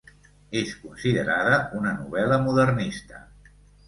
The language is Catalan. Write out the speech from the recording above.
És considerada una novel·la modernista.